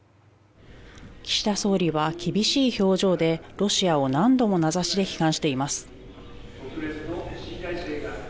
岸田総理は厳しい表情でロシアを何度も名指しで批判しています。